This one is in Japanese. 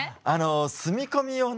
住み込みをね